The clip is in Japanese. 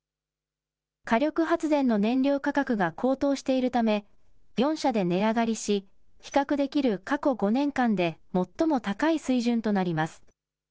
火力発電の燃料価格が高騰しているため、４社で値上がりし、比較できる過去５年間で最も高い水準となります。